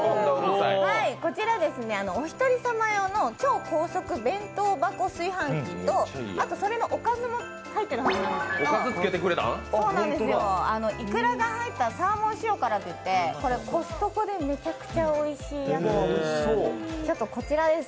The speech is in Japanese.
こちら、お一人様用の超高速弁当箱炊飯器とあとそれのおかずも入ってるはずなんですけど、いくらが入ったサーモン塩辛といってコストコでめちゃくちゃおいしいやつです。